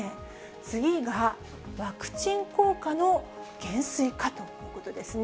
次が、ワクチン効果の減衰かということですね。